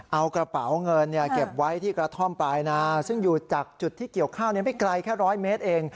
เอากระเป๋าเงินเก็บไว้ที่กระท่อมปลายนาซึ่งอยู่จากจุดที่เกี่ยวข้าวไม่ไกลแค่๑๐๐เมตรเอง